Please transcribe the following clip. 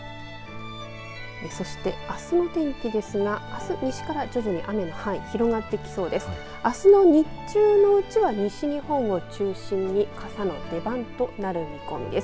そしてあすの天気ですがあす西から徐々に雨の範囲広がってきそうです。